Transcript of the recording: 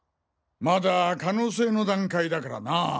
まだ可能性の段階だからなぁ。